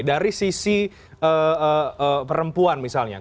dari sisi perempuan misalnya